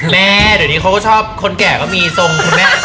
แม่เดี๋ยวนี้เขาก็ชอบคนแก่ก็มีทรงคุณแม่